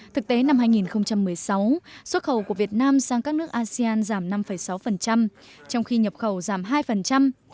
thực tế năm hai nghìn một mươi sáu xuất khẩu của việt nam sang các nước asean giảm năm sáu trong khi nhập khẩu giảm hai